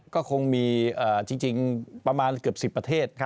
ก็คงมีจริงประมาณเกือบ๑๐ประเทศ